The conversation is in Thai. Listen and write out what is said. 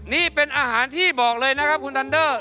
นี่เป็นอาหารที่บอกเลยนะครับคุณทันเดอร์